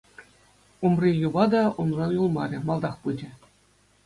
Умри юпа та унран юлмарӗ, малтах пычӗ.